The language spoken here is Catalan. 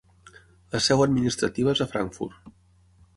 La seu administrativa és a Frankfurt.